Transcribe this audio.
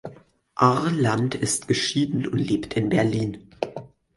Arland ist geschieden und lebt in Berlin.